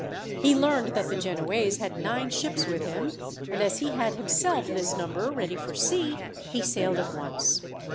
He learned that the Genoese had nine ships with him, and as he had himself this number ready for sea, he sailed at once.